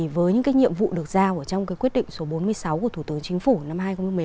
với những nhiệm vụ được giao trong quyết định số bốn mươi sáu của thủ tướng chính phủ năm hai nghìn một mươi bảy